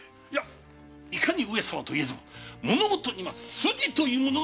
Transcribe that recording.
いかに上様といえども物事には筋というものがございます。